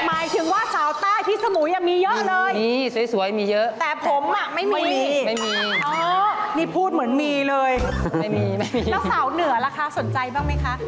แล้วสาวเหนือล่ะคะสนใจบ้างไหมคะ